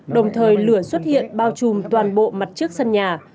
đồng thời lửa xuất hiện bao trùm toàn bộ mặt trước sân nhà